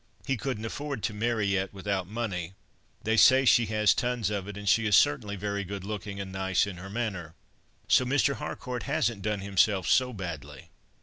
He couldn't afford to marry yet, without money. They say she has tons of it, and she is certainly very good looking, and nice in her manner. So Mr. Harcourt hasn't done himself so badly."